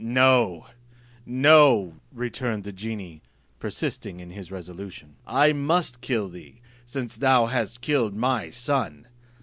"No, no," returned the genie, persisting in his resolution, "I must kill thee, since thou hast killed my son."